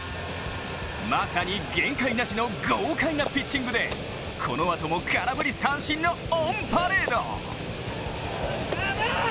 まさに限界なしの豪快なピッチングでこのあとも空振り三振のオンパレード。